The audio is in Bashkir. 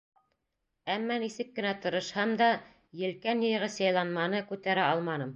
Әммә нисек кенә тырышһам да, елкән йыйғыс яйланманы күтәрә алманым.